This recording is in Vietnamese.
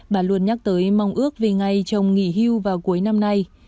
bà luôn nhắc tới mong ước về ngày chồng nghỉ hưu vào cuối năm nay